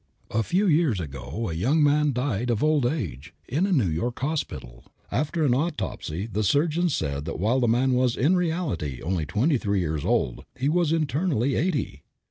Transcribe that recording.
A few years ago a young man "died of old age" in a New York hospital. After an autopsy the surgeons said that while the man was in reality only twenty three years old he was internally eighty!